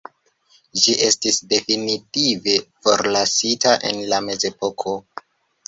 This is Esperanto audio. Ĝi estis definitive forlasita en la mezepoko.